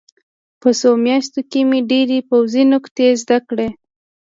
په څو میاشتو کې مې ډېرې پوځي نکتې زده کړې